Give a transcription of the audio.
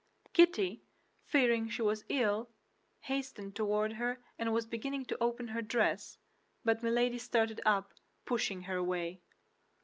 Kitty, fearing she was ill, hastened toward her and was beginning to open her dress; but Milady started up, pushing her away.